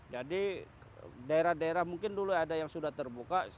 jadi daerah daerah mungkin dulu ada yang sudah terbuka